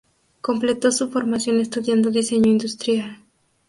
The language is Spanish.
Completó su formación estudiando diseño Industrial.